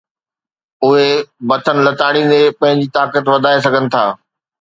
اُھي مٿن لتاڙيندي پنھنجي طاقت وڌائي سگھن ٿا